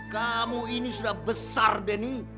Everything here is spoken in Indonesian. kamu ini sudah besar denny